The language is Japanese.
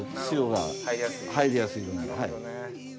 塩が入りやすいように。